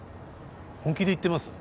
本気で言ってます？